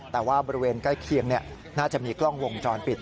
แต่ว่าบริเวณใกล้เคียงน่าจะมีกล้องวงจรปิด